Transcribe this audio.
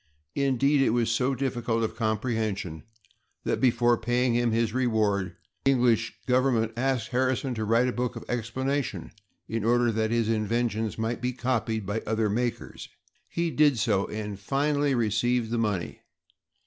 Indeed, it was so difficult of comprehension that, before paying him his reward, the English government asked Harrison to write a book of explanation in order that his inventions might be copied by other makers. He did so and finally received the money.